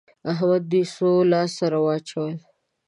احمد دوی څو لاس سره واچول؟